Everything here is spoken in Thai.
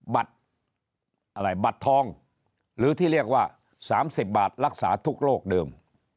บัตรอะไรบัตรทองหรือที่เรียกว่า๓๐บาทรักษาทุกโรคเดิม